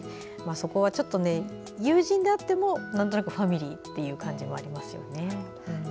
そこは友人であってもなんとなくファミリーという感じもありますよね。